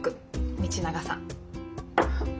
道永さん。